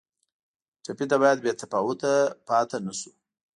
ټپي ته باید بې تفاوته پاتې نه شو.